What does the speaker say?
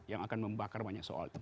yang akan membakar banyak soal itu